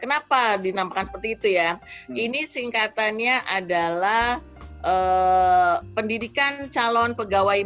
kenapa dinamakan seperti itu ya ini singkatannya adalah pendidikan calon pegawai